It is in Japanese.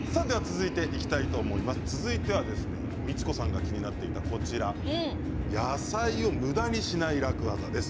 続いてはミチコさんが気になっていた野菜をむだにしない楽ワザです。